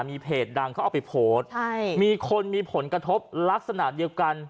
มีเพจดังเขาเอาไปโพสต์ใช่มีคนมีผลกระทบลักษณะเดียวกัน